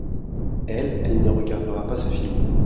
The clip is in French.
Elle, elle ne regardera pas ce film.